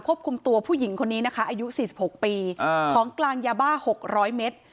คุมตัวผู้หญิงคนนี้นะคะอายุ๔๖ปีของกลางยาบ้า๖๐๐เมตร